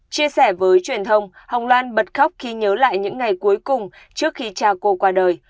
chia sẻ với truyền thông hồng loan bật khóc khi nhớ lại những ngày cuối cùng trước khi cha cô qua đời